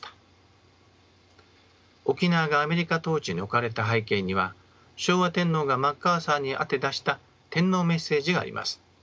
沖縄がアメリカ統治に置かれた背景には昭和天皇がマッカーサーに宛て出した天皇メッセージがあります。